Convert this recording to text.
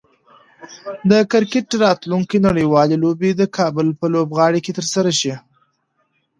د کرکټ راتلونکی نړیوالې لوبې به د کابل په لوبغالي کې ترسره شي